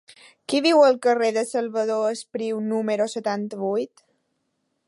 Qui viu al carrer de Salvador Espriu número setanta-vuit?